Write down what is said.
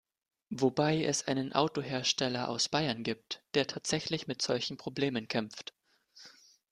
Wobei es einen Autohersteller aus Bayern gibt, der tatsächlich mit solchen Problemen kämpft.